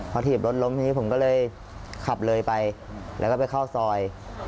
พอถีบรถล้มทีนี้ผมก็เลยขับเลยไปแล้วก็ไปเข้าซอย